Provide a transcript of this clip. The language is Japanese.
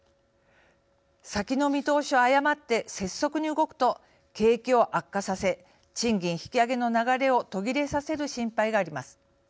先の見通しを誤って拙速に動くと景気を悪化させ賃金引き上げの流れを途切れさせる心配があります。